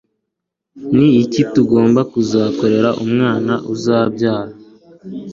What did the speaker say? Ni iki tugomba kuzakorera umwana tuzabyara